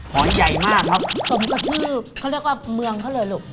หอยใหญ่มากครับสมกับชื่อเขาเรียกว่าเมืองเขาเลยลูก